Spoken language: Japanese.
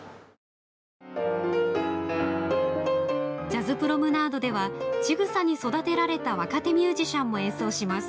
ジャズプロムナードでは「ちぐさ」に育てられた若手ミュージシャンも演奏します。